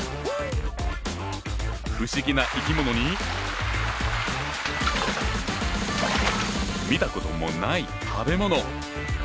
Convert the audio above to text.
不思議な生き物に見たこともない食べ物！